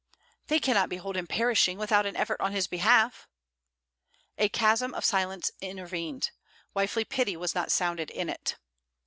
'They cannot behold him perishing, without an effort on his behalf.' A chasm of silence intervened. Wifely pity was not sounded in it.